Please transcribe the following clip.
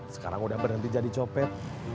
sekarang udah berhenti jadi copet